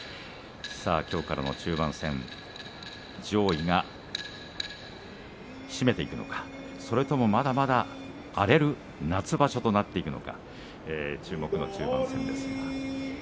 きょうからの中盤戦上位が締めていくのか、それともまだまだ荒れる夏場所となっていくのか注目の中盤戦です。